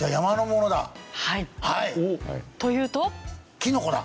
キノコだ。